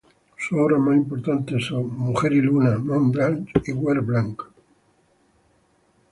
Sus obras más importantes son "Mujer y luna", "Montblanch" y "Guer-Blanc".